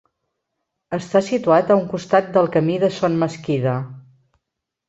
Està situat a un costat del camí de Son Mesquida.